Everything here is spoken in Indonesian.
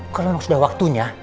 kalau memang sudah waktunya